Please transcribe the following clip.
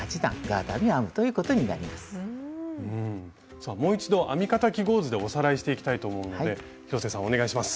さあもう一度編み方記号図でおさらいしていきたいと思うので広瀬さんお願いします。